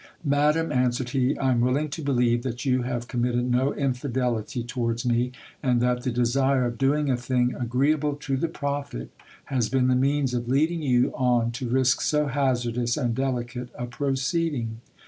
Madam, answered he, I am willing to believe that you have com mitted no infidelity towards me ; and that the desire of doing a thing agreeable to the prophet has been the means of leading you on to risk so hazardous and delicate a proceeding.